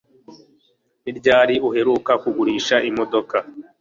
Ni ryari uheruka kugurisha imodoka?